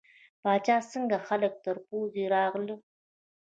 پاچا څخه خلک تر پوزې راغلي.